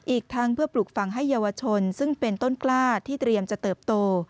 อีกทั้งเพื่อปลูกฝังให้เยาวชนซึ่งเป็นต้นกล้าที่เตรียมจะเติบโต